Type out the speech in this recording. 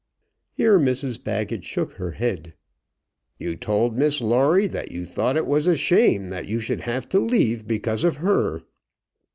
Here Mrs Baggett shook her head. "You told Miss Lawrie that you thought it was a shame that you should have to leave because of her."